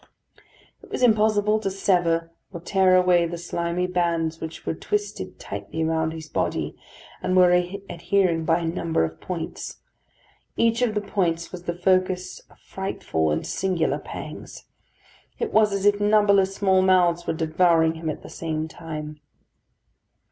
It was impossible to sever or tear away the slimy bands which were twisted tightly round his body, and were adhering by a number of points. Each of the points was the focus of frightful and singular pangs. It was as if numberless small mouths were devouring him at the same time.